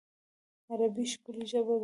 عربي ښکلی ژبه ده